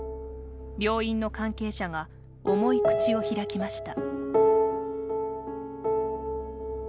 病院の関係者が重い口を開きました。